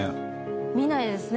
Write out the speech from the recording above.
見ないですね